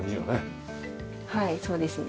はいそうですね。